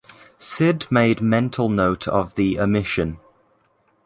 Sid made mental note of the omission.